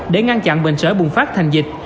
để ngăn chặn bệnh sởi bùng phát thành dịch